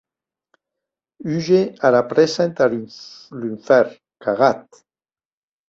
Húger ara prèssa entath lunfèrn, cagat!